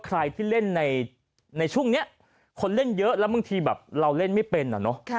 ใครที่เล่นในช่วงนี้คนเล่นเยอะแล้วบางทีแบบเราเล่นไม่เป็นอ่ะเนอะ